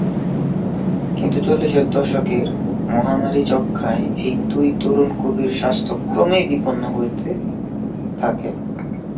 কিন্তু চল্লিশের দশকের মহামারী যক্ষ্মায় এই দুই তরুণ কবির স্বাস্থ্য ক্রমেই বিপন্ন হয়ে হতে থাকে।